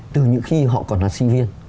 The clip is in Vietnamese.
từ những khi họ còn là sinh viên